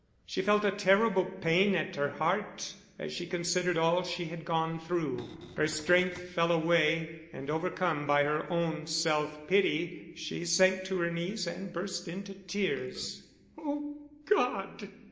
She felt a terrible pain at her heart as she considered all she had gone through. Her strength fell away, and overcome by her own self pity, she sank to her knees and burst into tears. "Oh, God!"